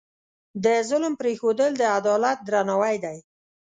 د ظلم پرېښودل، د عدالت درناوی دی.